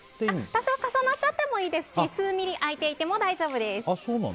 多少、重なってもいいですし数ミリ空いていても大丈夫です。